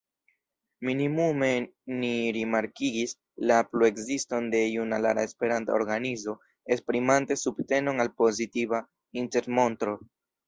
Minimume ni rimarkigis la pluekziston de junulara esperanta organizo esprimante subtenon al pozitiva intencmontro.